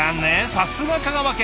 さすが香川県。